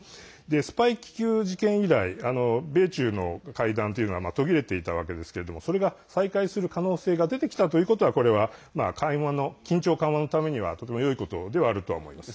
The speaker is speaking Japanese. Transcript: スパイ気球事件以来米中の会談は途切れていたわけですけどそれが再開する可能性が出てきたということはこれは緊張緩和のためにはとてもよいことではあると思います。